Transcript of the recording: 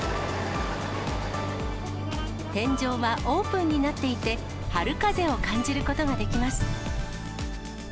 天井はオープンになっていて、春風を感じることができます。